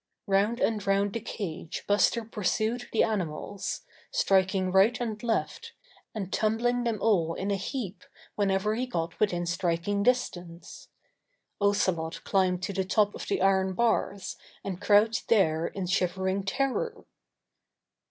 Round and round the cage Buster pursued the animals, striking right and left, and tumbling them all in a heap whenever he got within striking distance. Ocelot climbed to the top of the iron bars and crouched there in shivering terror.